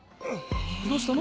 どうしたの？